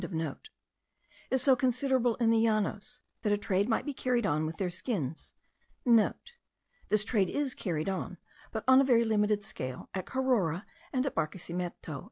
is so considerable in the Llanos, that a trade might be carried on with their skins.* (* This trade is carried on, but on a very limited scale, at Carora and at Barquesimeto.)